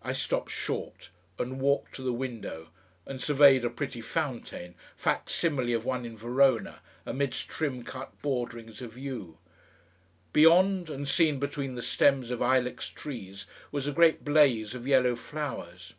I stopped short and walked to the window and surveyed a pretty fountain, facsimile of one in Verona, amidst trim cut borderings of yew. Beyond, and seen between the stems of ilex trees, was a great blaze of yellow flowers....